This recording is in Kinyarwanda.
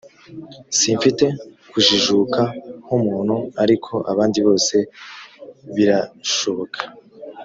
simfite kujijuka nk’umuntu ariko abandi bose birashoboka